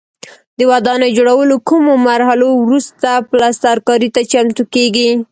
د ودانۍ جوړولو کومو مرحلو وروسته پلسترکاري ته چمتو کېږي.